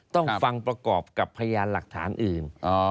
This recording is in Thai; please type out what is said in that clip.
ต้องฟังประกอบกับพยานหลักฐานอื่น